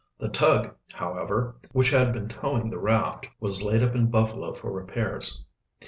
The tug, however, which had been towing the raft, was laid up in Buffalo for repairs.